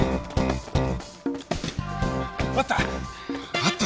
あった！